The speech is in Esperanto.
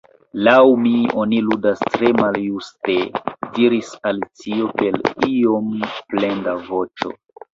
"Laŭ mi, oni ludas tre maljuste," diris Alicio per iom plenda voĉo.